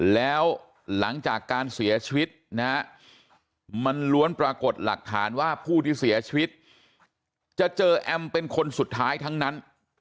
แล้วหลังจากการเสียชีวิตนะฮะมันล้วนปรากฏหลักฐานว่าผู้ที่เสียชีวิตจะเจอแอมเป็นคนสุดท้ายทั้งนั้น